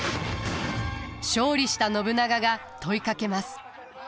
勝利した信長が問いかけます。